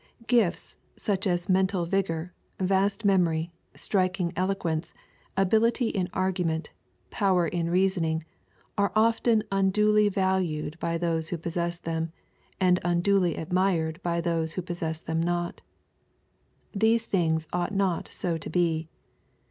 Gifts, such as mental vigor, vast memory, striking eloquence, ability in argument, power in reasoning, are often unduly valued by those who possess them, and unduly admired by those who possess them not. These things ought not so to be.